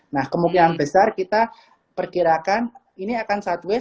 nah kemungkinan besar kita perkirakan ini akan sideways